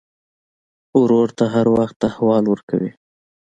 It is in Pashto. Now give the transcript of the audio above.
ورور ته هر وخت احوال ورکوې.